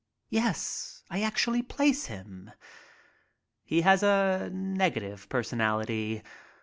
Yes, I can actually place him. He has a negative personality.